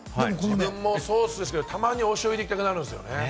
自分もソースですけど、たまにお醤油入れたくなるんですよね。